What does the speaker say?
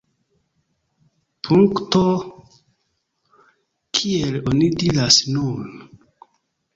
Punkto, kiel oni diras nun!